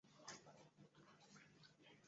博新最后被刘家昌掏空而结束营业。